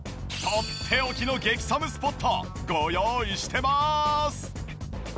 とっておきの激サムスポットご用意してます！